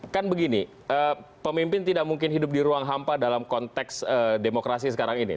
kan begini pemimpin tidak mungkin hidup di ruang hampa dalam konteks demokrasi sekarang ini